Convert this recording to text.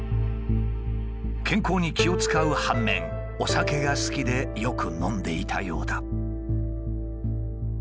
健康に気を遣う反面お酒が好きでよく飲んでいたようだ。